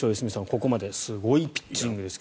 ここまですごいピッチングですが。